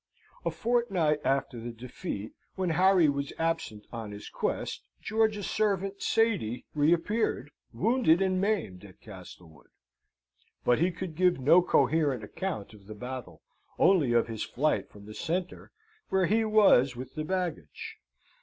A fortnight after the defeat, when Harry was absent on his quest, George's servant, Sady, reappeared wounded and maimed at Castlewood. But he could give no coherent account of the battle, only of his flight from the centre, where he was with the baggage.